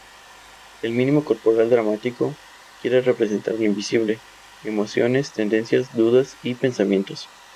El mimo corporal dramático quiere representar lo invisible; emociones, tendencias, dudas y pensamientos.